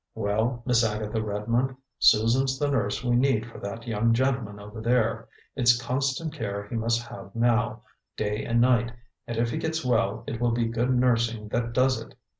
"Well, Miss Agatha Redmond, Susan's the nurse we need for that young gentleman over there. It's constant care he must have now, day and night; and if he gets well, it will be good nursing that does it.